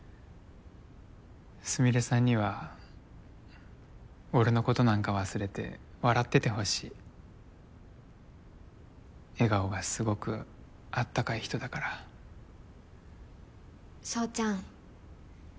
スミレさんには俺のことなんか忘れて笑っててほしい笑顔がすごくあったかい人だから宗ちゃん